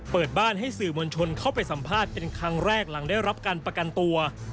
เปิดบ้านให้สื่อมวลชนเข้าไปสัมภาษณ์เป็นครั้งแรกหลังได้รับการประกันตัว